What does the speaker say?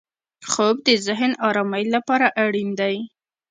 خوب د ذهن ارامۍ لپاره اړین دی